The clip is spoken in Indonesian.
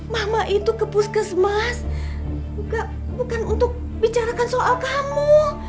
mama itu ke puskesmas bukan untuk bicarakan soal kamu